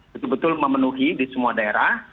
betul betul memenuhi di semua daerah